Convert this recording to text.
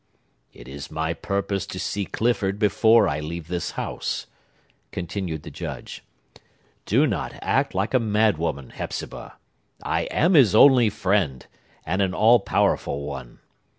"It is my purpose to see Clifford before I leave this house," continued the Judge. "Do not act like a madwoman, Hepzibah! I am his only friend, and an all powerful one.